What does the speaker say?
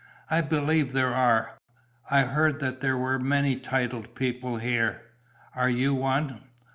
"I believe there are. I heard that there were many titled people here. Are you one?"